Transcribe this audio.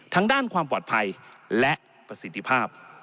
ทั้งด้านความปลอดภัยและประสิทธิภาพ